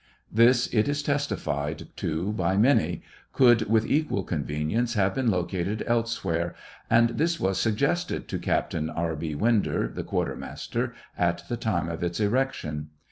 This, it is testified to by many, could with equal convenience have been loca ■ ted elsewhere, and this was suggested to Captain E. B. Winder, the quarter master, at the time of its erection.